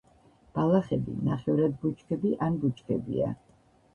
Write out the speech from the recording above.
ბალახები, ნახევრად ბუჩქები ან ბუჩქებია.